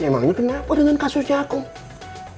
emangnya kenapa dengan kasusnya aku